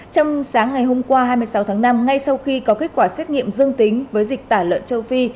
trong sáng ngày hôm qua hai mươi sáu tháng năm ngay sau khi có kết quả xét nghiệm dương tính với dịch tả lợn châu phi